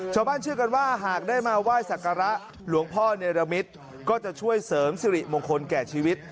เชื่อกันว่าหากได้มาไหว้สักการะหลวงพ่อเนรมิตรก็จะช่วยเสริมสิริมงคลแก่ชีวิต